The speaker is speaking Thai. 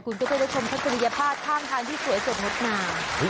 ขอบคุณทุกชมศักดิ์ภาคทางทางที่สวยสุดหมดมา